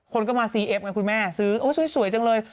คนก็มาซีเอฟไงคุณแม่ซื้อโอ้สวยจังเลย